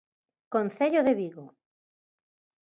Concello de Vigo.